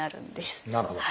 なるほど。